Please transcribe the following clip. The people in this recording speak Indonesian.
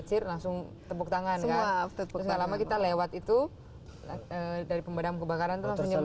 cire langsung tepuk tangan semua tepuk tangan setelah lama kita lewat itu dari pemadam kebakaran